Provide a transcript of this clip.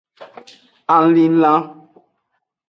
Alinlan.